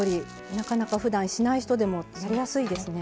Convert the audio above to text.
なかなかふだんしない人でも作りやすいですね。